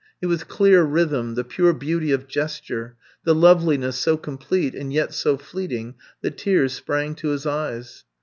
It was clear rhythm, the pure beauty of gesture — the loveliness so complete and yet so fleeting that tears sprang to his eyes.